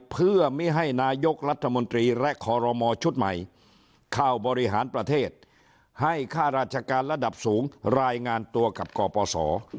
เพื่อไม่ให้นายกรัฐมนตรีและคอรมอชุดใหม่เข้าบริหารประเทศให้ค่าราชการระดับสูงรายงานตัวกับกปศ